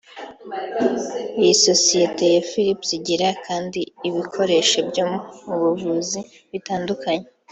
Iyi sosiyete ya Philips igira kandi ibikoresho byo mu buvuzi bitandukanye